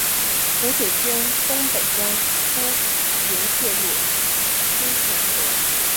湖水经东北端出流泄入狮泉河。